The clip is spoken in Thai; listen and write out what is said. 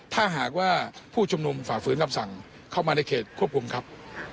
ถ้าหากว่าผู้ชุมนุมฝ่าฝืนคำสั่งเข้ามาในเขตควบคุมครับ